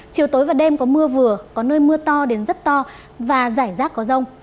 chiều tối và đêm có mưa vừa có nơi mưa to đến rất to và rải rác có rông